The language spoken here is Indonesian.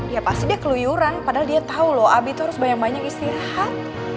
ya pasti dia keluyuran padahal dia tahu loh abi itu harus banyak banyak istirahat